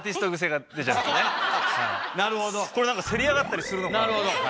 これせり上がったりするのかなと。